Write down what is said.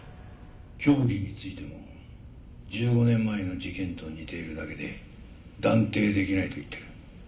凶器についても１５年前の事件と似ているだけで断定できないと言ってる。